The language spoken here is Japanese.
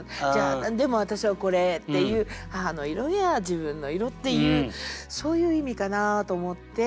「でも私はこれ」っていう母の色や自分の色っていうそういう意味かなと思って。